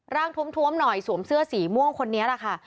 ร่างทวมหน่อยสวมเสื้อสีม่วงคนนี้ล่ะค่ะ